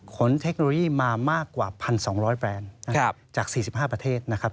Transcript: เทคโนโลยีมามากกว่า๑๒๐๐แบรนด์จาก๔๕ประเทศนะครับ